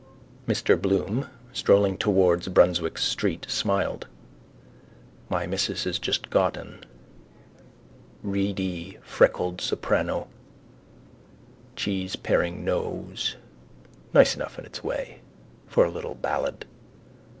Mr Bloom, strolling towards Brunswick street, smiled. My missus has just got an. Reedy freckled soprano. Cheeseparing nose. Nice enough in its way: for a little ballad.